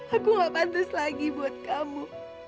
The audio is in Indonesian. aku gak pantes lagi buat kamu